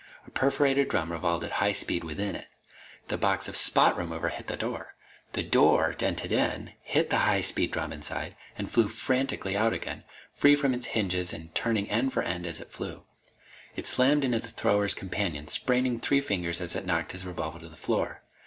A perforated drum revolved at high speed within it. The box of spot remover hit the door. The door dented in, hit the high speed drum inside, and flew frantically out again, free from its hinges and turning end for end as it flew. It slammed into the thrower's companion, spraining three fingers as it knocked his revolver to the floor.